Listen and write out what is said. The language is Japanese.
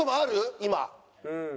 今。